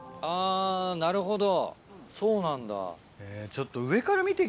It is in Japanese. あぁなるほどそうなんだ。ちょっと。